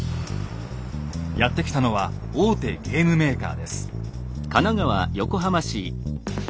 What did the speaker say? やって来たのは大手ゲームメーカーです。